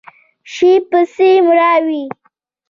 شي پسې مړاوی